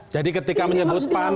jadi ketika menyebutkan